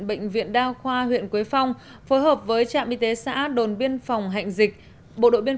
bệnh viện đa khoa huyện quế phong phối hợp với trạm y tế xã đồn biên phòng hạnh dịch bộ đội biên